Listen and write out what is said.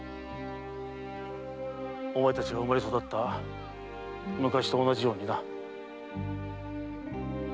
お前たちが生まれ育った昔と同じようにな。